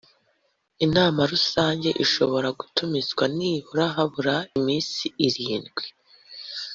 inama rusange ishobora gutumizwa nibura habura iminsi irindwi